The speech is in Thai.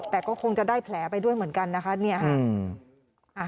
แต่ก็คงจะได้แผลไปด้วยเหมือนกันนะคะ